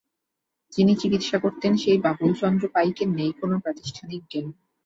যিনি চিকিত্সা করতেন সেই বাবুল চন্দ্র পাইকের নেই কোনো প্রাতিষ্ঠানিক জ্ঞান।